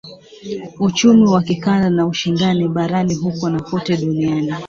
uchumi wa kikanda na ushindani barani huko na kote duniani